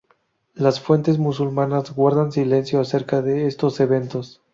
Las fuentes musulmanas guardan silencio acerca de estos eventos.